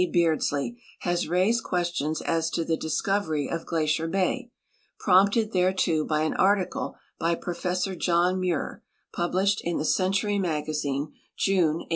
Beardslee has raised questions as to the discovery of Glacier bay, prompted thereto by an article liy Professor John IMuir, pulilished in the Century Magazine, June, 189 5.